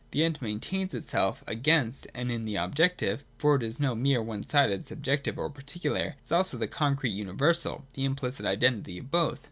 The End maintains itself against and in the objective : for it is no mere one sided subjective or particular, it is also the concrete universal, the implicit identity of both.